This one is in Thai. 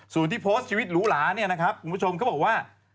ส่วนที่โพสต์ชีวิตหลูหลากลุ่มผู้ชมเขาบอกว่า